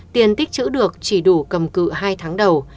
tiền tích chữ được chỉ đủ cầm cự hai tháng đầu